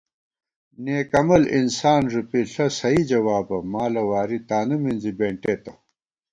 نېک عمل انسان ݫُپی ݪہ سئ جوابہ مالہ واری تانُو مِنزی بېنٹېتہ